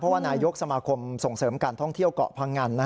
ว่านายกสมาคมส่งเสริมการท่องเที่ยวเกาะพังงัน